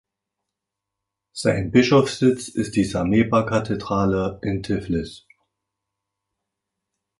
Sein Bischofssitz ist die Sameba-Kathedrale in Tiflis.